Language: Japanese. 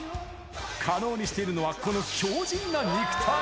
可能にしているのは、この強じんな肉体。